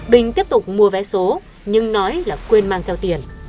bình tiếp tục mua vé số nhưng nói là quên mang theo tiền